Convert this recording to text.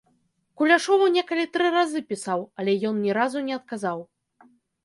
Куляшову некалі тры разы пісаў, але ён ні разу не адказаў.